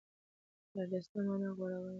برجسته مانا غوره والی.